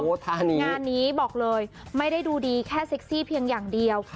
งานนี้บอกเลยไม่ได้ดูดีแค่เซ็กซี่เพียงอย่างเดียว